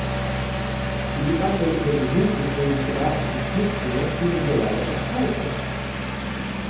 Die Debatte über die Hilfe für die irakischen Flüchtlinge führen wir leider erst heute.